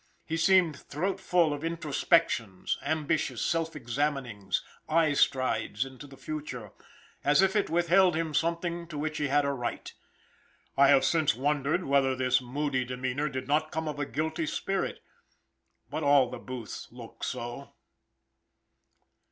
He seemed throat full of introspections, ambitious self examinings, eye strides into the future, as if it withheld him something to which he had a right. I have since wondered whether this moody demeanor did not come of a guilty spirit, but all the Booths look so.